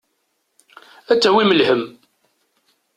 Ad d-tawim lhemm.